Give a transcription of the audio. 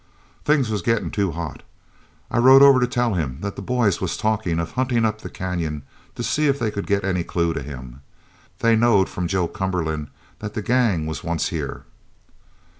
"Things was gettin' too hot. I rode over to tell him that the boys was talkin' of huntin' up the canyon to see if they could get any clue of him. They knowed from Joe Cumberland that the gang was once here."